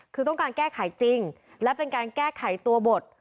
คือต้องการแก้ไขจริงและเป็นการแก้ไขตัวบท